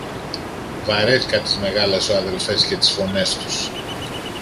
Βαρέθηκα τις μεγάλες σου αδελφές και τις φωνές τους!